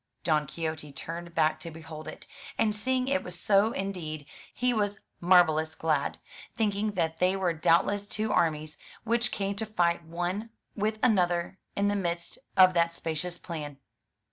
Don Quixote turned back to behold it, and seeing it was so indeed, he was marvellous glad, thinking that they were doubtless two armies, which came to fight one with another in the midst of that spacious plain.